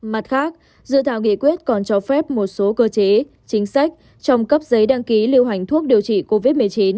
mặt khác dự thảo nghị quyết còn cho phép một số cơ chế chính sách trong cấp giấy đăng ký lưu hành thuốc điều trị covid một mươi chín